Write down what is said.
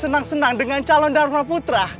senang senang dengan calon dharma putra